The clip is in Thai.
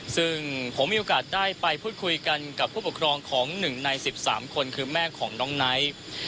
ซึ่งผมมีโอกาสได้ไปพูดคุยกันกับผู้ปกครองของ๑ใน๑๓คนคือแม่ของน้องไนท์